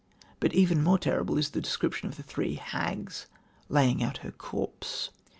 But even more terrible is the description of the three hags laying out her corpse.